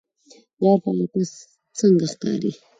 غیر فعال کس څنګه ښکاري